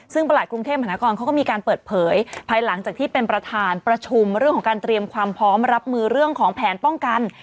ซึ่งประหลัดกรุงเทพมหานครเขาก็มีการเปิดเผยภายหลังจากที่เป็นประธานประชุมเรื่องของการเตรียมความพร้อมรับมือเรื่องของแผนป้องกัน